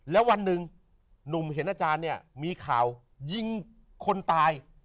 แล้ววันหนึ่งหนุ่มเห็นอาจารย์เนี่ยมีข่าวยิงคนตาย